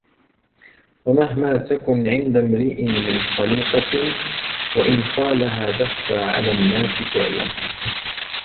وَمَهْمَا تَكُنْ عِنْدَ امْرِئٍ مِنْ خَلِيقَةٍ وَإِنْ خَالَهَا تَخْفَى عَلَى النَّاسِ تُعْلَمْ